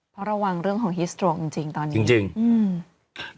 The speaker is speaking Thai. เพราะระวังเรื่องของฮิสโตรกจริงจริงตอนนี้จริงจริงอืม